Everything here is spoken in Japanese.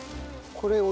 これを。